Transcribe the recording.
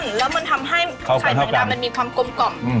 แล้วมันทำให้ไข่แมงดามันมีความกลมกล่อม